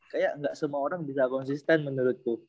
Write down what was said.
kayak nggak semua orang bisa konsisten menurutku